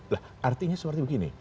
lah artinya seperti begini